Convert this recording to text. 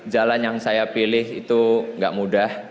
jalan yang saya pilih itu gak mudah